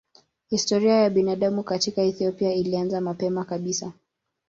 Historia ya binadamu katika Ethiopia ilianza mapema kabisa.